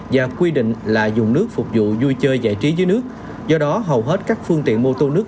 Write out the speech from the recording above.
và quy định là dùng nước phục vụ vui chơi giải trí dưới nước do đó hầu hết các phương tiện mô tô nước